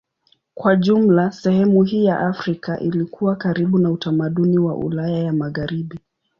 Kwa jumla sehemu hii ya Afrika ilikuwa karibu na utamaduni wa Ulaya ya Magharibi.